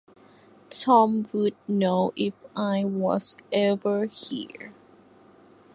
Tom would know if I was ever here.